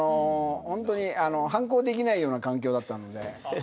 反抗できないような環境だったので。